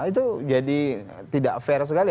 itu jadi tidak fair sekali